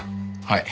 はい。